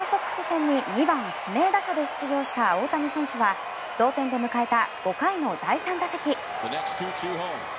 日本時間の今朝レッドソックス戦に２番指名打者で出場した大谷選手は同点で迎えた５回の第３打席。